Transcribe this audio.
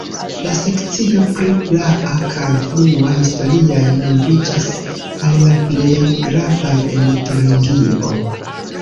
La sekcio pri praa kaj frua historiaj nombriĝas al la plej gravaj en Turingio.